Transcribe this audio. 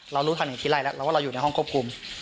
รู้ทางหนีทีไรแล้วแล้วว่าเราอยู่ในห้องควบคุม